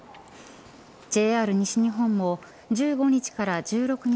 ＪＲ西日本も１５日から１６日